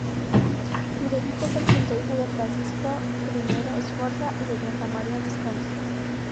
Ludovico fue el quinto hijo de Francisco I Sforza y de Bianca Maria Visconti.